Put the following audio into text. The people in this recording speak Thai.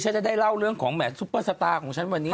ฉันจะได้เล่าเรื่องของแหงสุปเปอร์สตาร์ของฉันเมื่อนี้